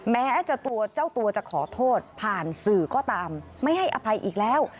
แม้จะตัวเจ้าตัวจะขอโทษผ่านสื่อก็ตามไม่ให้อภัยอีกแล้ว